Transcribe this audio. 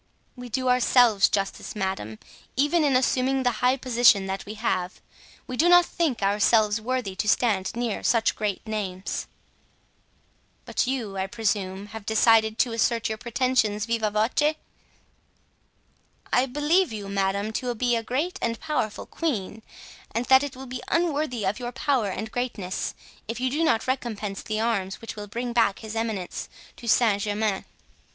"We do ourselves justice, madame, even in assuming the high position that we have. We do not think ourselves worthy to stand near such great names." "But you, I presume, have decided to assert your pretensions viva voce?" "I believe you, madame, to be a great and powerful queen, and that it will be unworthy of your power and greatness if you do not recompense the arms which will bring back his eminence to Saint Germain."